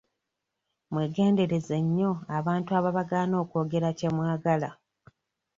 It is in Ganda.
Mwegendereze nnyo abantu ababagaana okwogera kye mwagala.